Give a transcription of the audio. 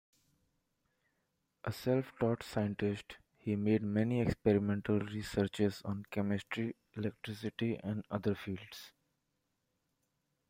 A self-taught scientist, he made many experimental researches on chemistry, electricity and other fields.